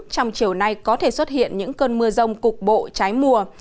trong chiều nay có thể xuất hiện những cơn mưa rông cục bộ trái mùa